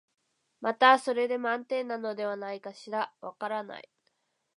またそれで満点なのではないかしら、わからない、